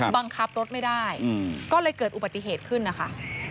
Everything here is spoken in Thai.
บังคับรถไม่ได้ก็เลยเกิดอุบัติเหตุขึ้นนะคะ